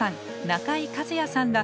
中井和哉さんら